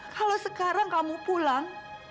kalau sekarang kamu pulang